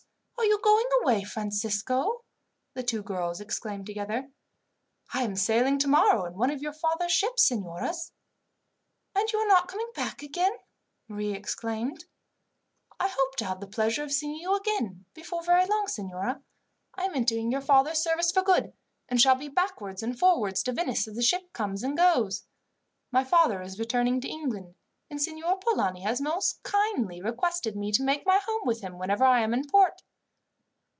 are you going away, Francisco?" the two girls exclaimed together. "I am sailing tomorrow in one of your father's ships, signoras." "And you are not coming back again?" Maria exclaimed. "I hope to have the pleasure of seeing you again before very long, signora. I am entering your father's service for good, and shall be backwards and forwards to Venice as the ship comes and goes. My father is returning to England, and Signor Polani has most kindly requested me to make my home with him whenever I am in port."